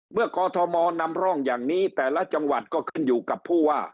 กอทมนำร่องอย่างนี้แต่ละจังหวัดก็ขึ้นอยู่กับผู้ว่า